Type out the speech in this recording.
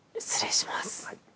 失礼します。